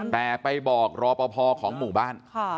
แต่ไปบอกรอป่าพอร์ของหมู่บ้าน